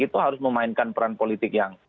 itu harus memainkan peran politik yang